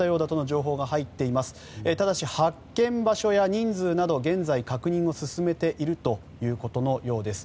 ただし、発見場所や人数など現在、確認を進めているということのようです。